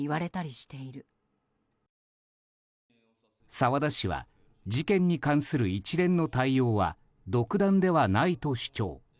澤田氏は事件に関する一連の対応は独断ではないと主張。